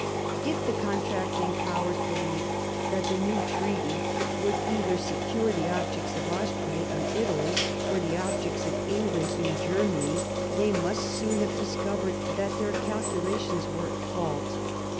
If the contracting Powers believed that the new treaty would either secure the objects of Austria in Italy or the objects of England in Germany, they must soon have discovered that their calculations were at fault.